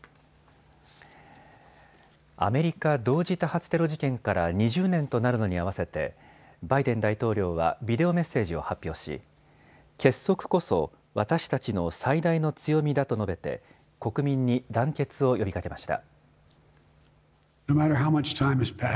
アメリカ同時多発テロ事件から２０年となるのに合わせてバイデン大統領はビデオメッセージを発表し、結束こそ私たちの最大の強みだと述べて国民に団結を呼びかけました。